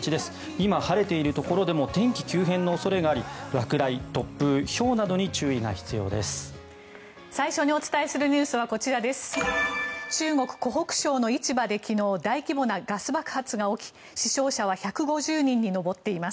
今、晴れているところでも天気急変の恐れがあり落雷、突風、ひょうなどに注意が必要です。